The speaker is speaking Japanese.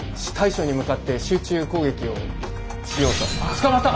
捕まった！